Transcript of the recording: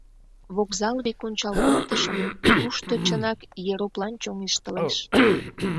Вокзал век ончал колтышым — тушто чынак ероплан чоҥештылеш.